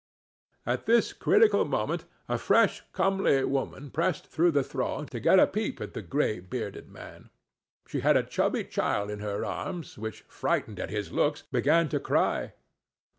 At this critical moment a fresh comely woman pressed through the throng to get a peep at the gray bearded man. She had a chubby child in her arms, which, frightened at his looks, began to cry.